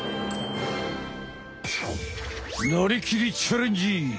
なりきりチャレンジ！